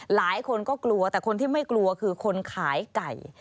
หลายคนก็กลัวแต่คนที่ไม่กลัวคือคนขายไก่